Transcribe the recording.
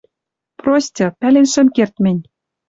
Простьы, пӓлен шӹм керд мӹнь.